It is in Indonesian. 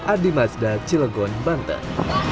adi mazda cilgon banten